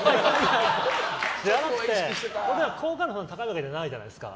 じゃなくて好感度高いわけじゃないじゃないですか。